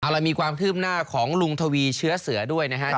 เรามีความคืบหน้าของลุงทวีเชื้อเสือด้วยนะครับ